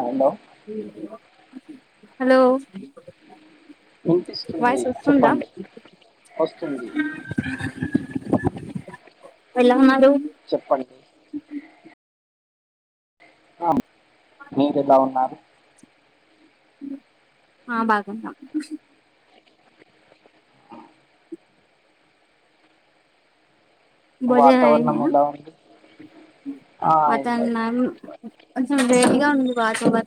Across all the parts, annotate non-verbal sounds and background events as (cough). I నో hello విన్పిస్తుందీ voice ఉందా చెప్పండి వస్తుంది ఎలా ఉన్నరు చెప్పండి ఆ మీరెలా ఉన్నారు ఆ బాగున్నా భోజనాల్ వాతావరణం ఐనాయా ఎలా ఉంది ఆ, అయిందండి వాతావర్ణం కొంచెం వేడిగా ఉంది వాతావర్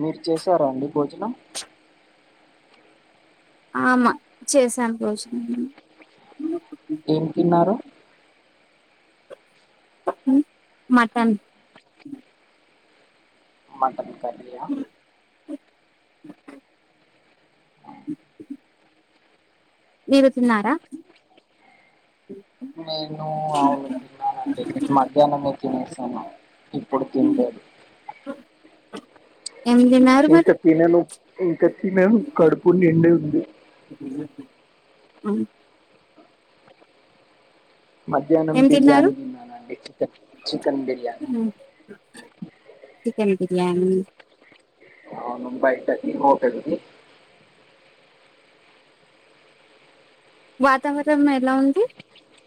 మీర్ చేసారా అండి భోజనం ఆ మా చేసాన్ భోజనం ఏం తిన్నారు ఉ హు మటన్ మటన్ కర్రీయా (inaudible) మీరు తిన్నారా నేనూ ఔను తిన్నానండి నేన్ మధ్యానమే తినేసాను ఇప్పుడు తిన్లేదు ఏం తిన్నారు మరి తిన్నను ఇంకా తిన్నను కడుపు నిండి ఉంది ఉ హు అవును మధ్యాహ్నం ఏం తిన్నారు బిర్యానీ తిన్నానండి chicken chicken biryani chicken biryani అవును బయటకి ఓపెన్ ఉంది వాతావరణం ఎలా ఉంది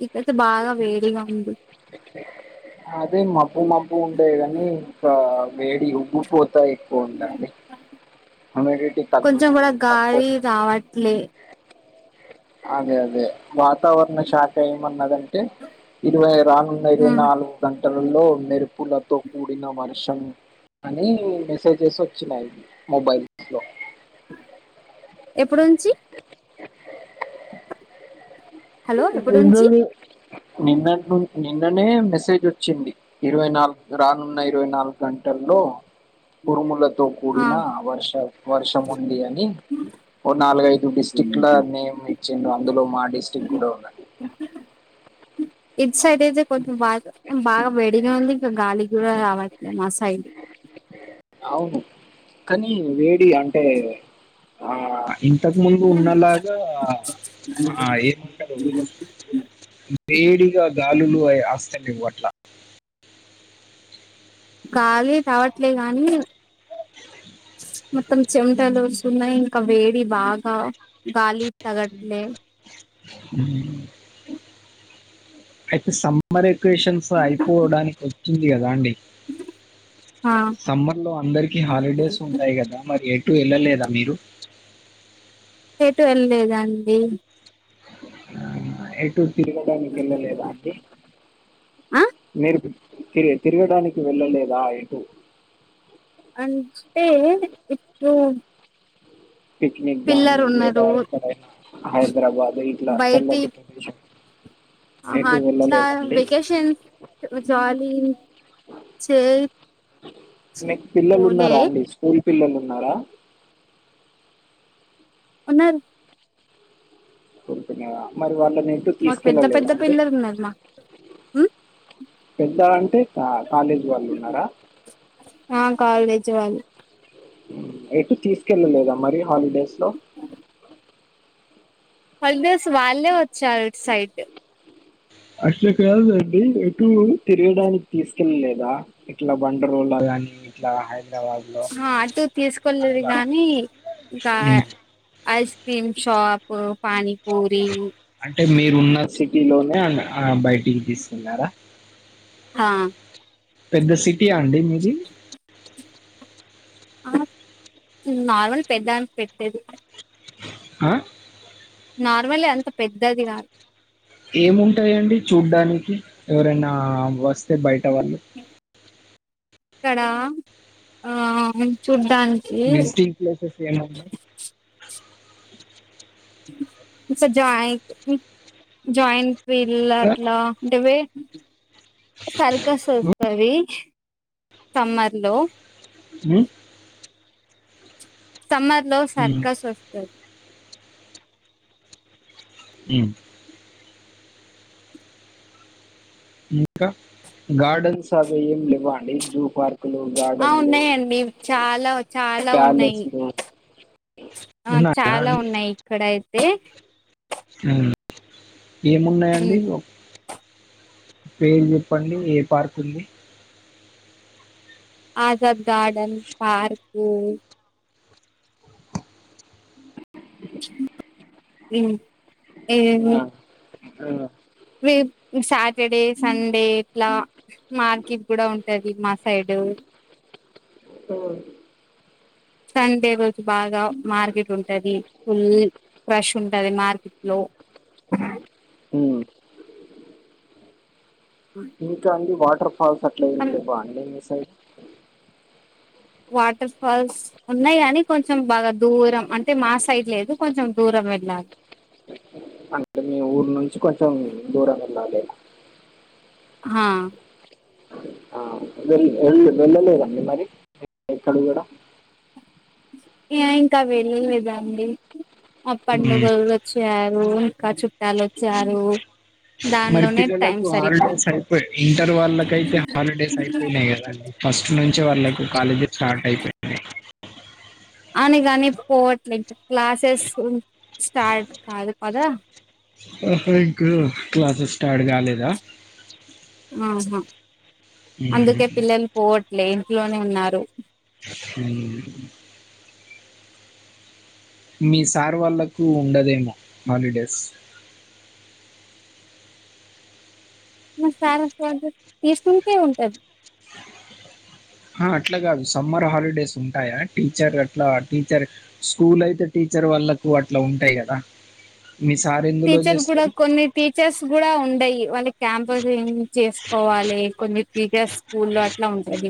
ఇక్కైతే బాగా వేడిగా ఉంది అదే మబ్బు మబ్బు ఉండేగానీ ఇంకా వేడి ఉబ్బుపోతాయి పోతంది హ్యూమిడిటీ తక్కువ తక్కువచు అవ్వట్లే అదే అదే వాతావరణ శాఖ ఏమన్నదంటే ఇరవై రానున్న ఇరవై నాలుగు గంటలలో మెరుపులతో కూడిన వర్షం అన్ని మెసేజెస్ ఆచ్చినాయి మొబైల్ ఎప్పునుంచి హలో ఎప్పుడు నుంచి నిన్నట్ను నిన్ననే మెసేజ్ అచ్చింది ఇరవై నాలుగు రానున్న ఇరవై నాలుగు గంటల్లో వురుములతో ఆ కూడిన వర్ష వర్షం ఉంది అని ఓ నాలుగైదు డిస్టిక్ల నేమ్ ఇచ్చిండ్రు అందులో మా డిస్ట్రిక్ గూడా ఉంది ఇట్ సైడ్ అయితే కొంచెం బాగా బాగా వేడిగా ఉంది ఇంకా గాలి కూడా రావట్లే మా సైడ్ అవును కానీ వేడి అంటే ఆ ఇంతకు ముందు ఉన్నలాగా ఆ ఏ వేడిగా గాలులు ఆస్తాలేవు అట్లా కాలీ రావట్లే గానీ మొత్తం చెమటలు అసున్నాయి ఇంకా వేడి బాగా గాలి తగట్లే అయితే సం మరి ఈక్వేషన్స్అయిపోవడానికి వచ్చింది కాదండి ఆ సమ్మర్ లో అందరికి హాలిడేస్ ఉంటాయి గాదా మరి ఎక్ టు ఎళ్ళలేద మీరు ఎటు ఎళ్ళలేదండి ఆ ఏటు తిరగడానికి ఏళ్లలేద అండి ఆ మీరు తిర్ తిరగడానికి వెళ్ళలేదా ఎటు అంటే ఇప్పుడు పిక్నిక్ పిల్లలు గాని లేదా ఉన్నారు ఎక్కడైనా హైదరాబాద్ ఇట్లా చల్లటి ప్రదేశం ఆహా ఎటు అట్లా వెళ్ళలేదా అండి వెకేషన్స్ ఇపుడు జాలీ చె ఛీ మీకు పిల్లలు పోలే ఉన్నారా అండి స్కూల్ పిల్లలు ఉన్నారా ఉన్నారు కొడుకున్నయా మరి వాళ్ళనేటు మాకు పెద్ద పెద్ద తీసుకెళ్లలేదా అండి పిల్లలు ఉన్నారు మా పెద్ద అంటే ఆ కాలేజ్ వాళ్ళు ఉన్నారా ఆ కాలేజ్ వాళ్ళు ఎటు తీసుకెళ్ళలేదా మరి హాలిడేస్ లో హాలిడేస్ వాళ్ళే వచ్చారు ఇటు సైడు అట్లా కాదండి ఎటు తిరగాడానికి తీసకెళ్ళలేదా ఇట్లా వండర్వాల్ కానీ ఇట్లా హయ్ ఆ ఆటో తీసుకెళ్లలేదు గానీ ఇంకా ఉమ్, ఐస్ క్రీమ్ షాప్ పానీపూరీ అంటే మీరున్న సిటీ లోనే ఆ బయటికి తీసుకెల్లారా హా పెద్ద సిటీయా అండి మీది ఆ నార్మల్ పెద్దాంత పెట్టేది ఆ నార్మల్ అంత పెద్దది కాదు ఏముంటాయండి చూడ్డానికి ఎవరైనా వస్తే బయట వాళ్ళు ఇక్కడ ఆమేన్ చూడ్డానికి విజిటింగ్ ప్లేసెస్ ఏముంటాయి స జాయిట్ జాయింట్ వీళ్ళ ఆ? అట్లా ఉంటవే సర్కస్ ఉమ్, వస్తది సమ్మర్ లో హ్మ్ సమ్మర్ లో సర్కస్ వస్తది ఉమ్ ఇంకా గార్డెన్స్ అవి ఏం లేవా అండి జూ పార్క్ ఆ ఉన్నాయండి చాలా చాలా ఉన్నాయి ప్యాలెస్లు ఆ ఉన్నాయా చాలా అండి ఉన్నాయి ఇక్కడ అయితే ఏమున్నాయండి ఉమ్ పేరు చెప్పండి ఏ పార్క్ ఉంది ఆజాద్ గార్డన్ పార్కు ఏమో ఆ, ఆ మీ సాటర్డే సండే ఇట్లా మార్కెట్ కూడా ఉంటది మా సైడు ఎవడు సన్ డే రోజు బాగా మార్కెట్ ఉంటది ఫుల్ రష్ ఉంటది మార్కెట్ లో ఉమ్ (inaudible) ఇంకా అండి వాటర్ ఫాల్స్ అట్లా ఏం లేవా అండి మీ సైడ్ వాటర్ ఫాల్స్ ఉన్నాయి కాని కొంచెం బాగా దూరం అంటే మా సైడ్ లేదు కొంచెం దూరం వెళ్ళాలి అంటే మీ ఊరు ఊరు నుంచి కొంచెం దూరం వెళ్ళాలి హా వెళ్లు వెళ్లు వెళ్లు లేదా మరి ఎక్కడ కూడా ఏ ఇంకా వెళ్ళలేదా అండి ఆ మ్మ్. పండుగలు వచ్చారు ఇంకా చుట్టాలు వచ్చారు మరి దానిలోనే టైం పిల్లలకు సరిపోయింది హాలిడేస్ అయిపోయి ఇంటర్ వాళ్ళకయితే హాలిడేస్ అయిపోయినాయి కదండి ఫస్ట్ నుంచి వాళ్ళకి కాలేజీ స్టార్ట్ అయిపోయింది అని కాని పోవట్లేంక క్లాసెస్ స్టార్ట్ కాదు కదా ఆహా ఇంకు క్లాసెస్ స్టార్ట్ కాలేదా ఆహా మ్మ్. అందుకే పిల్లలు పోవట్లే ఇంట్లోనే ఉన్నారు హా మీ సార్ వాళ్లకు ఉండదేమో హాలిడేస్ మా సార్ సార్ తీసుకుంటే ఉంటది ఆ అట్లా కాదు సమ్మర్ హాలిడేస్ ఉంటాయా టీచర్ అట్లా టీచర్ స్కూల్ అయితే టీచర్ వాళ్ళలకు అట్లా ఉంటాయి కదా మీ సార్ ఎందులో టీచర్ కూడా చేస్తారు కొన్ని టీచర్స్ కూడా ఉండయి వాళ్ళు క్యాంపసింగ్ చేసుకోవాలి కొన్ని టీచర్స్ స్కూల్లో అట్లా ఉంటుంది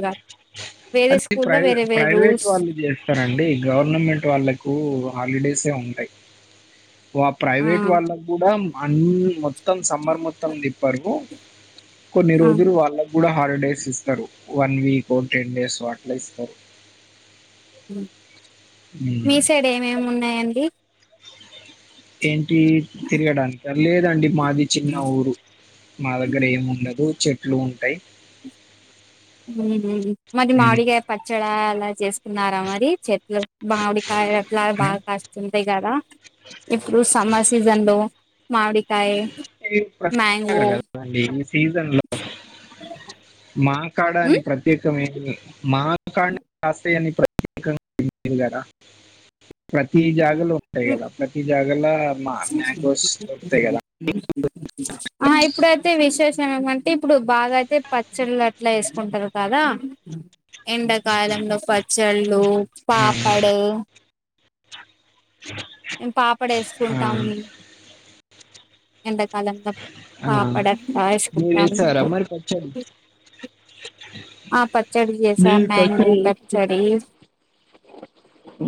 అది ప్రైవే ప్రైవేట్ రూల్స్ వాళ్ళది కదండీ గవర్నమెంట్ వాళ్ళకు హాలిడేస్ ఆ ఉంటాయి ఆ ప్రైవేట్ వాళ్ళకు కూడా అన్నీ మొత్తం సమ్మర్ మొత్తం తిప్పారు కొన్ని ఆ రోజులు వాళ్ళకి కూడా హాలిడేస్ ఇస్తారు వన్ వీక్ టెన్ డేస్ అట్లా ఇస్తారు మీ ఉమ్. సైడ్ ఏమేమి ఉన్నాయండి ఏంటి తిరగడానిక లేదండి మాది చిన్న ఊరు మా దగ్గర ఏం ఉండదు చెట్లు ఉంటాయ్ మాది ఉమ్. మామిడిగాయ పచ్చడా అలా చేసుకున్నారా మరి చె మావడి కాయలా బగా ఉమ్. కాస్త ంతా కదా ఇప్పుడు సమ్మర్ సీజన్ లో మామిడి ఇది ప్ర కదండి ఈ సీజన్ లో మాకాడ అని ఉమ్, ప్రత్యేకమ మాకాడనే కాస్తాయని గార (inaudible) ప్రతి జాగాలో ఉంటాయి ఉమ్, కదా ప్రతి జాగాలో మా మ్యాంగోస్ దొరుకుతాయి కదా (inaudible) ఆ ఇప్పుడైతే విశేషం ఏమంటే ఇప్పుడు బాగా అయితే పచ్చళ్ళ అట్లా ఏసుకుంటారు కదా ఎండాకాలంలో పచ్చళ్ళు పాపడు మేము ఆ, పాపడేసుకుంటాము ఎంతకాలంలో ఆ, పాపడ మీరు కాచ్చకుంటం వేసారా మరి పచ్చడి ఆ పచ్చడి చేసా మీరు మ్యాంగో పచ్చడి పచ్చడి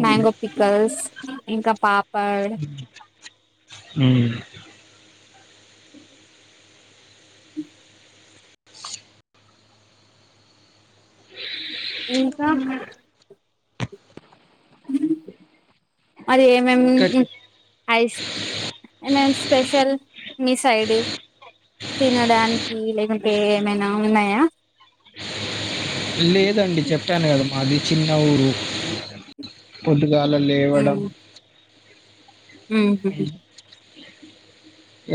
మ్యాంగో పికల్స్ ఇంకా పాపడ్ ఉ ఇంక మరి ఏమేం ఇంకా చెప్- ఐస్ ఏ మేం స్పెషల్ మీ సైడ్ తినడానికి లేకుంటే ఏమైనా ఉన్నాయా లేదండి చెప్పాను కదా మాది చిన్న ఊరు పొద్దుగాల లేవడం ఉమ్ ఉహు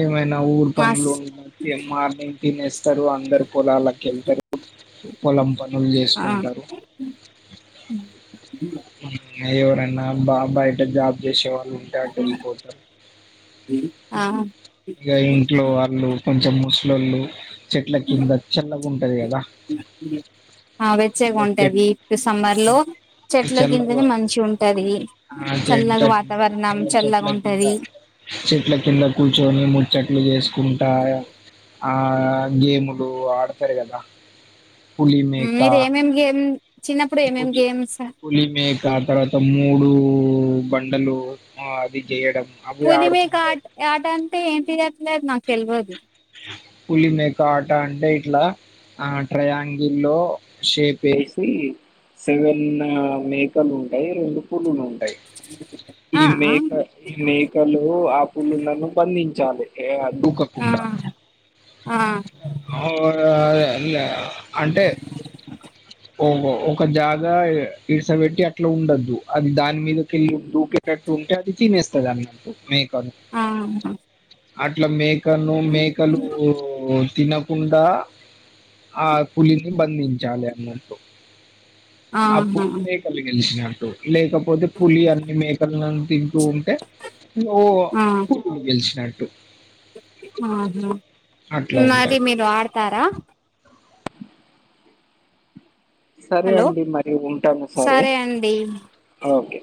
ఏమైనా ఊరు మాస్ పనులు ఎం ఆర్ని తినేస్తారు అందరు పోలలాకి వెళ్తారు పొలం పనులు ఆ చేసుకుంటారు ఎవరనా బా బయట జాబ్ చేసేవాళ్ళు ఉంటే అటు వెళ్ళిపోతారు అ ఇ ఇంట్లో వాళ్ళు కొంచెం ముసలళ్ళు చెట్ల కింద చల్లగా ఉంటది కదా ఆ వెచ్చే ఇగ చెట్ గుంటదీ ఇప్పుడ్ సమ్మర్ లో చెట్ల కిందనే చల్లగా మంచి ఉంటది ఆ చెట్ల చల్లగ కింద వాతావర్ణం ఇగ చెట్ల కింద చల్లగుంటదీ చెట్ల కింద కూర్చొనీ ముచ్చట్లు జేస్కుంటా ఆ గేములూ ఆడతార్ గదా మీరేమేమ్ గేమ్ చిన్నప్పుడు ఏమేం గేమ్స్ పులిమేకా తర్వాత మూడూ బండలు ఆ అది జేయడం పులిమేకా ఆట్ యాటంటే ఏంటి దట్లేద్ నాక్ తెల్వదు పులి మేకా ఆట అంటే ఇట్లా ఆ ట్రయాంగిల్లో షేప్ ఏసీ సెవెన్నా మేకలుంటయ్ రెండు పులులుంటయ్ ఆ ఈ ఆ మేక ఈ మేకలు ఆ పులులను బంధించాలి ఏఅ దూకకుండా ఆ ఆ అంటే ఓ ఒ ఒక జాగా ఎ ఇడ్సబెట్టి అట్లా ఉండద్దు అది దాని మీదకెళ్ళి దూకే కేటుంటే అది తినేస్తదన్మాట మేకను ఆ హా అట్ల మేకను మేకలూ తినక్ కుండా ఆ కులిని బందించాలే అన్నట్టు ఆహా అప్పుడు మేక్ కలు గెలిషినట్టు లేకపోతే పులి అన్ని మేకల్ను తింటూ ఉంట్ టే ఓ పులులు గెలిచినట్టు ఆ హా అట్లా మరి ఉంటది మీరు ఆడ్తారా సరే హలో అండి మరి ఉంటాము సరే ఓకే